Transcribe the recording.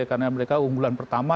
karena mereka unggulan pertama